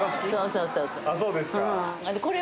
そうそうそう。